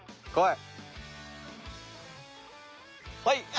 はい。